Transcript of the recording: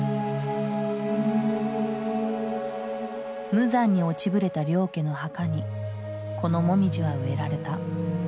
無残に落ちぶれた領家の墓にこのモミジは植えられた。